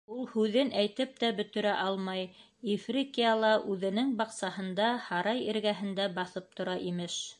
Ул һүҙен әйтеп тә бөтөрә алмай, Ифрикияла үҙенең баҡсаһында, һарай эргәһендә баҫып тора, имеш.